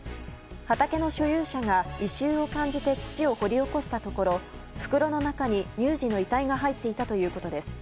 畑の所有者が異臭を感じて土を掘り起こしたところ袋の中に乳児の遺体が入っていたということです。